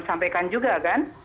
sampaikan juga kan